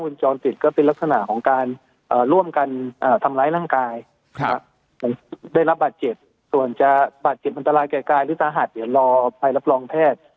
บาดเจ็บมันตรายใกล้หรือสาหัสเดี๋ยวรอไปรับรองแพทย์